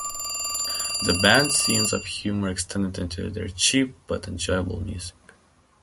The band's sense of humour extended into their cheap but enjoyable music videos.